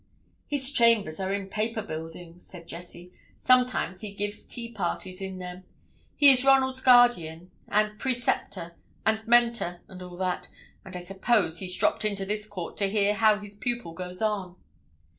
"His chambers are in Paper Buildings," said Jessie. "Sometimes he gives tea parties in them. He is Ronald's guardian, and preceptor, and mentor, and all that, and I suppose he's dropped into this court to hear how his pupil goes on."